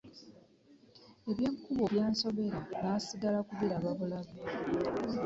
Ebya kubo byansobera nasigala kubiraba bulabi.